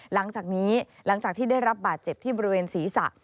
หลังจากนี้หลังจากที่ได้รับบาดเจ็บที่บริเวณศีรษะ